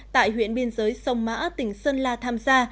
tại huyện biên giới sông mã tỉnh sơn la tham gia